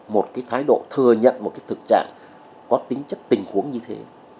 một cái thái độ thừa nhận một thực trạng có tính chất tình huống như thế